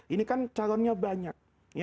ini kan calonnya banyak